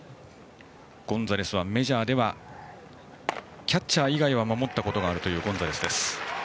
ゴンザレスはメジャーではキャッチャー以外は守ったことがあるというゴンザレスです。